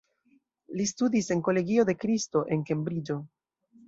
Li studis en Kolegio de kristo, en Kembriĝo.